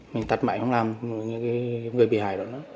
mình tắt máy không làm người bị hại đó